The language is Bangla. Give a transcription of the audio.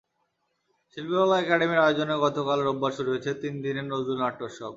শিল্পকলা একাডেমীর আয়োজনে গতকাল রোববার শুরু হয়েছে তিন দিনের নজরুল নাট্যোৎসব।